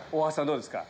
どうですか？